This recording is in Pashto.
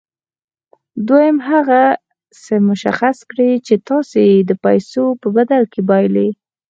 دويم هغه څه مشخص کړئ چې تاسې يې د پیسو په بدل کې بايلئ.